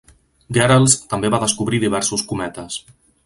Gehrels també va descobrir diversos cometes.